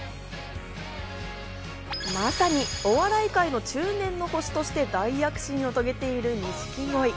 まさにお笑い界の中年の星として大躍進を遂げている、錦鯉。